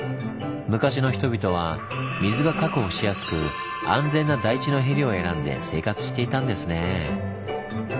昔の人々は水が確保しやすく安全な台地のへりを選んで生活していたんですねぇ。